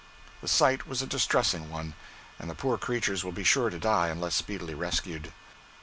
The sight was a distressing one, and the poor creatures will be sure to die unless speedily rescued.